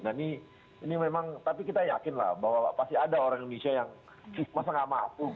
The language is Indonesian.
nah ini memang tapi kita yakin lah bahwa pasti ada orang indonesia yang masa gak mampu